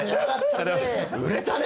売れたね！